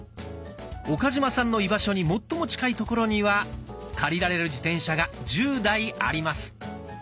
岡嶋さんの居場所に最も近い所には借りられる自転車が１０台あります。